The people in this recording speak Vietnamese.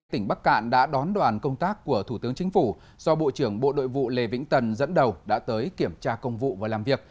tỉnh bắc cạn đã đón đoàn công tác của thủ tướng chính phủ do bộ trưởng bộ đội vụ lê vĩnh tần dẫn đầu đã tới kiểm tra công vụ và làm việc